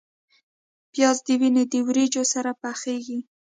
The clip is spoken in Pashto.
پیاز د وینې د وریجو سره پخیږي